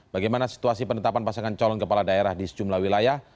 bagaimana situasi penetapan pasangan calon kepala daerah di sejumlah wilayah